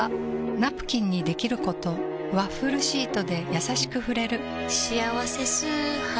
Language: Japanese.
ナプキンにできることワッフルシートでやさしく触れる「しあわせ素肌」